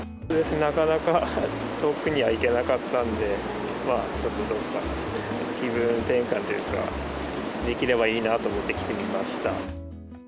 なかなか遠くには行けなかったんで、ちょっと気分転換というか、できればいいなと思って来てみま